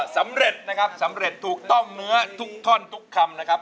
สำเร็จนะครับสำเร็จถูกต้องเนื้อทุกท่อนทุกคำนะครับ